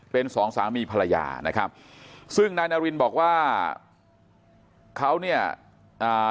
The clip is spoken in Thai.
เป็นสองสามีภรรยานะครับซึ่งนายนารินบอกว่าเขาเนี่ยอ่า